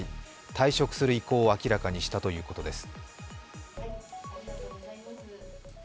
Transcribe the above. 退職する意向を明らかにしたということです。